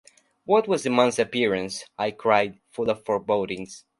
"What was the man's appearance?" I cried, full of forebodings.